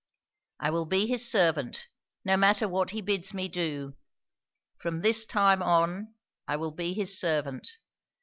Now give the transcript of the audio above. I will be his servant, no matter what he bids me do. From this time on, I will be his servant.